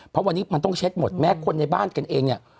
เพราะวันนี้มันต้องเช็ดหมดแม้คนในบ้านกันเองเนี่ย